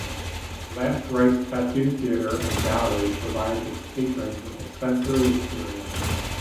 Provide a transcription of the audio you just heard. Last Rites Tattoo Theatre and Gallery provides its patrons with a sensory experience.